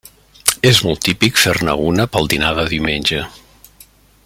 És molt típic fer-ne una per al dinar de diumenge.